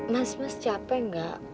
mas mas capek enggak